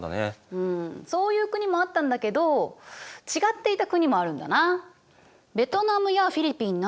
うんそういう国もあったんだけど違っていた国もあるんだな。